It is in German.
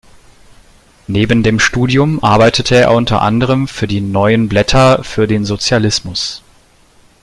Neben dem Studium arbeitete er unter anderem für die "Neuen Blätter für den Sozialismus".